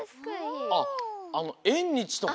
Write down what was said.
あっえんにちとか！